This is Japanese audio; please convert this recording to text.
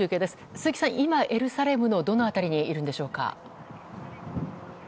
鈴木さん、今、エルサレムのどの辺りにいるんでしょうか。